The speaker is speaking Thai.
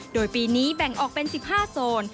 โดยปีนี้แบ่งออกเป็น๑๕โซน